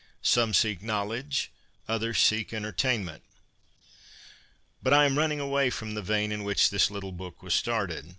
Some seek knowledge ; others seek enter tainment. But I am running away from the vein in which this little book was started.